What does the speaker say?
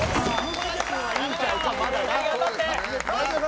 頑張って。